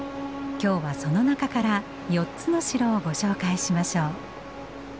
今日はその中から４つの城をご紹介しましょう。